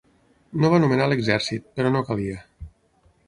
No va nomenar l'Exèrcit, però no calia.